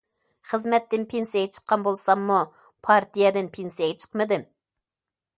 خىزمەتتىن پېنسىيەگە چىققان بولساممۇ، پارتىيەدىن پېنسىيەگە چىقمىدىم.